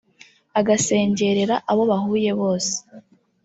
agasengerera abo bahuye bose